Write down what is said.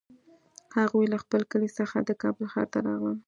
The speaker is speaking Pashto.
هغوی له خپل کلي څخه د کابل ښار ته راغلل